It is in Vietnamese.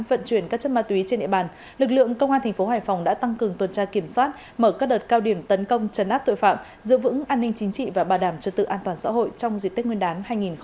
vận chuyển các chất ma túy trên địa bàn lực lượng công an tp hải phòng đã tăng cường tuần tra kiểm soát mở các đợt cao điểm tấn công trần áp tội phạm giữ vững an ninh chính trị và bà đảm cho tự an toàn xã hội trong dịp tết nguyên đán hai nghìn hai mươi ba